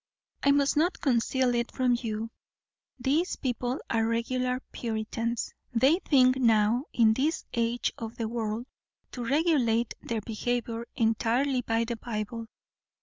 I must not conceal it from you. These people are regular Puritans. They think now, in this age of the world, to regulate their behaviour entirely by the Bible.